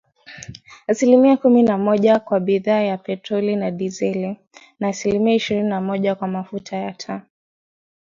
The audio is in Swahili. Asilimia kumi na moja kwa bidhaa ya petroli na dizeli, na asilimia ishirini na moja kwa mafuta ya taa